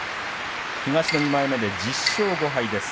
東の２枚目で１０勝５敗です。